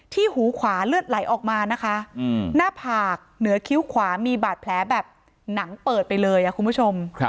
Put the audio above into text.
หูขวาเลือดไหลออกมานะคะหน้าผากเหนือคิ้วขวามีบาดแผลแบบหนังเปิดไปเลยคุณผู้ชม